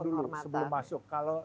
dulu sebelum masuk kalau